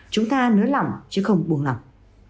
chúng ta nới lỏng chứ không buông lỏng